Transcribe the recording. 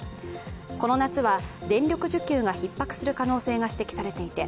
この夏は電力需給がひっ迫する可能性が指摘されていて